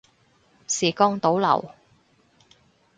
時光倒流